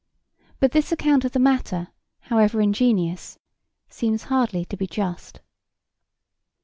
But this account of the matter however ingenious seems hardly to be just.